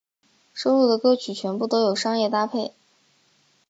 收录的歌曲全部都有商业搭配。